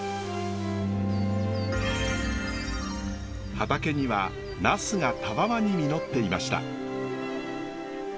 畑にはナスがたわわに実っていました。